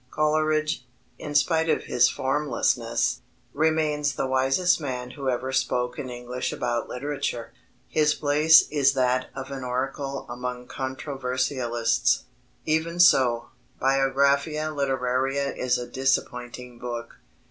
Coleridge, in spite of his formlessness, remains the wisest man who ever spoke in English about literature. His place is that of an oracle among controversialists. Even so, Biographia Literaria is a disappointing book.